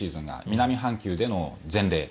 南半球での前例。